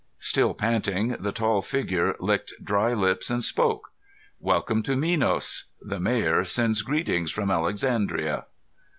Still panting, the tall figure licked dry lips and spoke. "Welcome to Minos. The Mayor sends greetings from Alexandria."